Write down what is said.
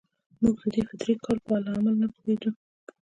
موږ د دې فطري کار په لامل نه پوهېدو.